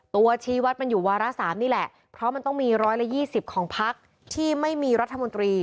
ชี้วัดมันอยู่วาระ๓นี่แหละเพราะมันต้องมี๑๒๐ของพักที่ไม่มีรัฐมนตรี